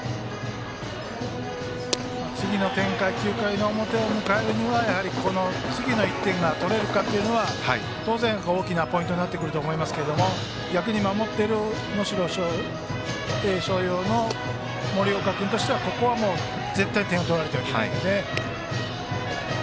次の展開、９回の表を迎えるまでに次の１点が取れるかというのが当然、大きなポイントになってくると思いますが逆に、守っている能代松陽の森岡君としてはここは、絶対に点を取られてはいけないので。